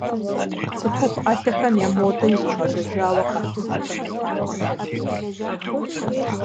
Цӏыхухъу ӏэлъэхэм я модэр иригъэжьэжауэ къалъытэ Бонапарт Наполеон.